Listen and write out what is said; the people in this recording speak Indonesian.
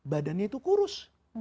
badannya itu kurus